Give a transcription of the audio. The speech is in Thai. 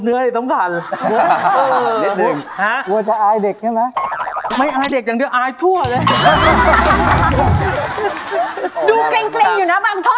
เกรงอยู่นะบางท่อ